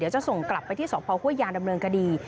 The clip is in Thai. จะส่งกลับไปที่สพห้วยยางดำเนินคดี